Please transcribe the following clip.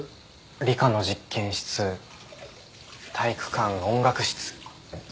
理科の実験室体育館音楽室。